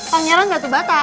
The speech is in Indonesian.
pangeran batu bata